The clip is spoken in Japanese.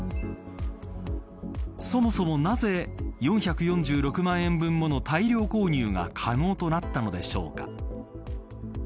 そもそもなぜ４４６万円分もの大量購入が可能となったのでしょうか。